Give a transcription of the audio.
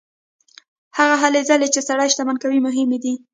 هغه هلې ځلې چې سړی شتمن کوي مهمې دي.